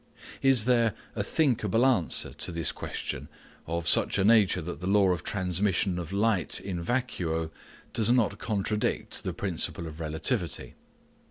Is there a thinkable answer to this question of such a nature that the law of transmission of light in vacuo does not contradict the principle of relativity